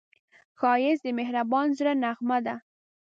ښایست د مهربان زړه نغمه ده